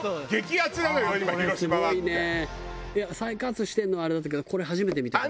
いや再開発してるのはあれだったけどこれ初めて見たから。